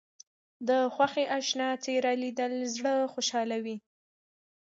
د خوښۍ اشنا څېره لیدل زړه خوشحالوي